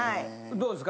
どうですか？